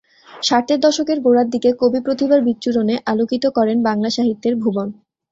ষাটের দশকের গোড়ায় দিকে কবি প্রতিভার বিচ্ছুরণে আলোকিত করেন বাংলা সাহিত্যের ভুবন।